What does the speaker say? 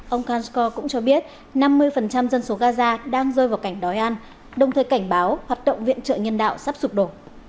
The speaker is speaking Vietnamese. ông cansco cũng cho biết năm mươi dân số gaza đang rơi vào cảnh đói ăn đồng thời cảnh báo hoạt động viện trợ nhân đạo sắp sụp đổ